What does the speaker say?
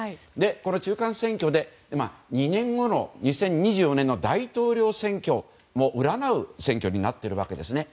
この中間選挙は２年後の２０２４年の大統領選挙を占う選挙になっているわけですね。